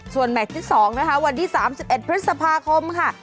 ส่วนแมทที่๒นะคะวันที่๓๑พฤษภาคมค่ะ